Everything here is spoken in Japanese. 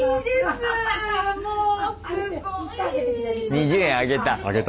２０円上げた。